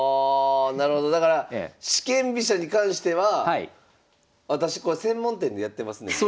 なるほどだから四間飛車に関しては私専門店でやってますんでと。